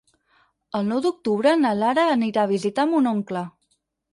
El nou d'octubre na Lara anirà a visitar mon oncle.